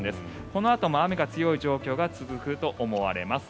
このあとも雨が強い状況が続くと思われます。